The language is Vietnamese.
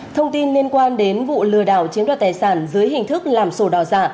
thông tin liên quan đến vụ lừa đảo chiếm đoạt tài sản dưới hình thức làm sổ đỏ giả